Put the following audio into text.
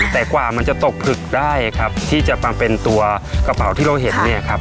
แต่กว่ามันจะตกผลึกได้ครับที่จะมาเป็นตัวกระเป๋าที่เราเห็นเนี่ยครับ